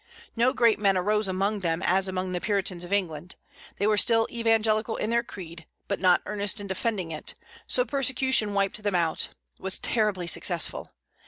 No great men arose among them, as among the Puritans of England. They were still evangelical in their creed, but not earnest in defending it; so persecution wiped them out was terribly successful.